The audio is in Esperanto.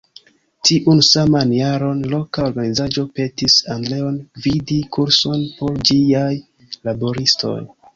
Tiun saman jaron, loka organizaĵo petis Andreon gvidi kurson por ĝiaj laboristoj.